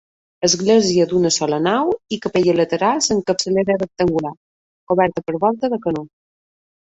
Església d'una sola nau i capelles laterals amb capçalera rectangular, coberta per volta de canó.